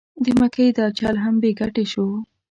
د مکۍ دا چل هم بې ګټې شو.